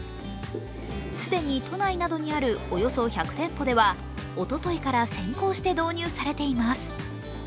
既に都内などにあるおよそ１００店舗では、おとといから先行して導入されています。